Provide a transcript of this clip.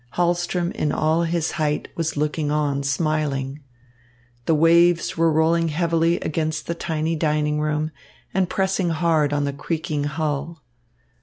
Hahlström in all his height was looking on, smiling. The waves were rolling heavily against the tiny dining room and pressing hard on the creaking hull.